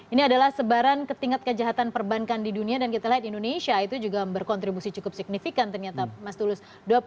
ini adalah sebaran ke tingkat kejahatan perbankan di dunia dan kita lihat indonesia itu juga berkontribusi cukup signifikan ternyata mas tulus